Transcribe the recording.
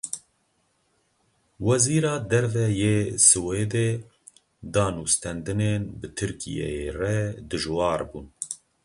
Wezîra Derve yê Swêdê: Danûstandinên bi Tirkiyeyê re dijwar bûn.